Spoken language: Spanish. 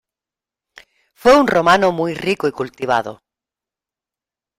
Fue un romano muy rico y cultivado.